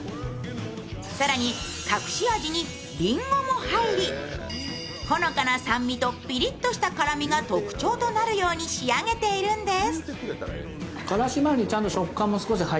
更に隠し味にりんごも入り、ほのかな酸味とぴりっとした辛みが特徴となるように仕上げているんです。